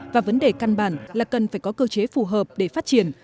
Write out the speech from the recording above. và vấn đề căn bản là cần phải có cơ chế phù hợp để phát triển